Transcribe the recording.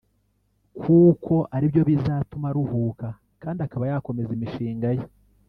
kuko aribyo bizatuma aruhuka kandi akaba yakomeza imishinga ye